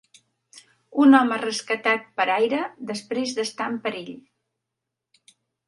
Un home rescatat per aire després d'estar en perill